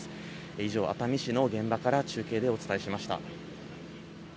以上、熱海市の現場から中継でお伝えしました。